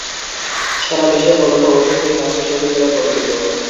সারা দেশে মূলত ঔষধি গাছ হিসেবেই এরা পরিচিত।